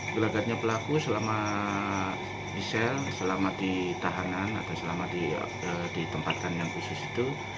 belagatnya pelaku selama di sel selama di tahanan atau selama di tempatkan yang khusus itu